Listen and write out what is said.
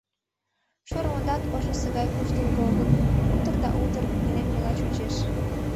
Шорвондат ожнысо гай куштылго огыл, утыр да утыр нелеммыла чучеш.